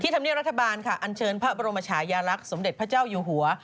ธรรมเนียบรัฐบาลค่ะอันเชิญพระบรมชายาลักษณ์สมเด็จพระเจ้าอยู่หัว